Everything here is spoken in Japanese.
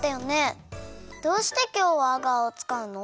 どうしてきょうはアガーをつかうの？